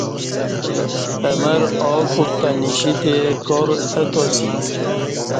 اہ مر ا کوٹ تہ نشی تے کار اتاسی